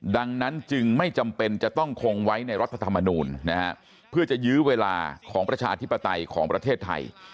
ดังนั้นจึงไม่จำเป็นจะต้องคงไว้ในรัฐธรรมนูลนะฮะเพื่อจะยื้อเวลาของประชาธิปไตยของประเทศไทย